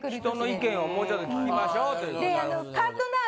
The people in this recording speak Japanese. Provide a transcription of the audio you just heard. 人の意見をもうちょっと聞きましょうっていうこと。